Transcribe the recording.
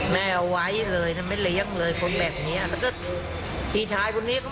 แต่ลูกบอกแม่ไม่ต้องเคียง